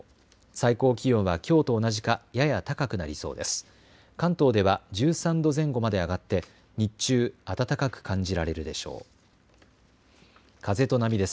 最高気温はきょうと同じかやや高くなりそうです。